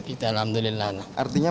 insya allah menerima